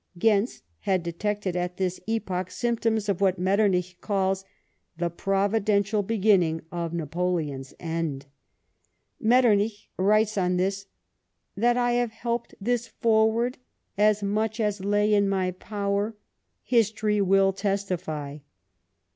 Gentz had detected, at his epoch, symptoms of what Metternich calls " the Providential beginning of Napoleon's end." Metternich writes on this :" That I have helped this forward as much as lay in my power — history will testify."